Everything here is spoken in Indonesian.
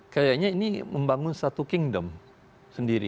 kayaknya ini membangun satu kingdom sendiri